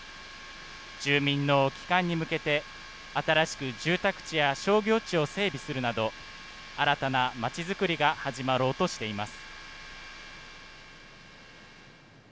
住民の帰還に向けて、新しく住宅地や商業地を整備するなど、新たなまちづくりが始まろうとしています。